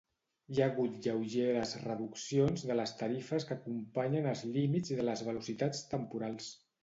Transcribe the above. Hi ha hagut lleugeres reduccions de les tarifes que acompanyen als límits de velocitats temporals.